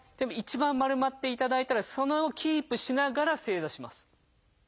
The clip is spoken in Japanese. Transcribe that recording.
一番丸まっていただいたらそれをキープしながら正座します。